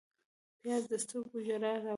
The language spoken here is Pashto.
پیاز د سترګو ژړا راولي